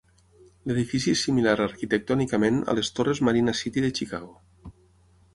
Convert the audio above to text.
L'edifici és similar arquitectònicament a les torres Marina City de Chicago.